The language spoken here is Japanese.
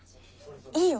いいよ